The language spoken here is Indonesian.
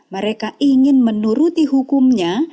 mereka ingin menuruti hukumnya